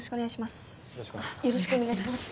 よろしくお願いします